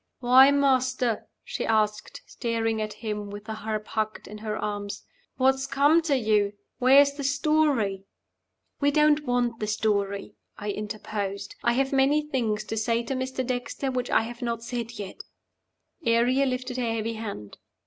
"Why, Master?" she asked, staring at him with the harp hugged in her arms. "What's come to you? where is the story?" "We don't want the story," I interposed. "I have many things to say to Mr. Dexter which I have not said yet." Ariel lifted her heavy hand.